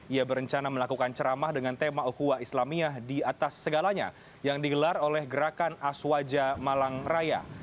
ia berencana melakukan ceramah dengan tema okhua islamiyah di atas segalanya yang digelar oleh gerakan aswaja malang raya